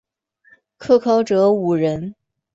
可考者五人。